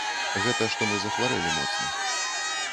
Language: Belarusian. Гэта што мы захварэлі моцна.